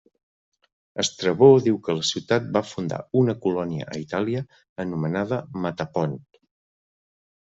Estrabó diu que la ciutat va fundar una colònia a Itàlia anomenada Metapont.